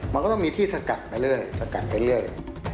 มันก็ต้องมีที่สกัดไปเรื่อย